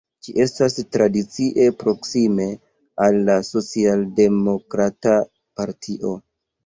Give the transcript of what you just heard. Ĝi estas tradicie proksime al la socialdemokrata partio.